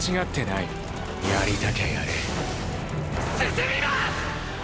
進みます！！